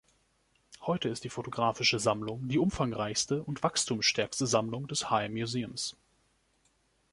Heute ist die fotografische Sammlung die umfangreichste und wachstumsstärkste Sammlung des High-Museums.